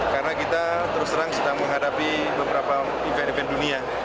karena kita terus terang sedang menghadapi beberapa event event dunia